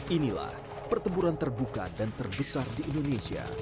inilah pertempuran terbuka dan terbesar di indonesia